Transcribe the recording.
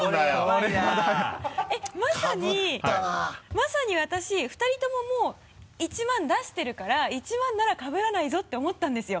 まさに私２人とももう１万出してるから１万ならかぶらないぞって思ったんですよ。